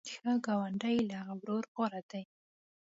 ښه ګاونډی له هغه ورور غوره دی.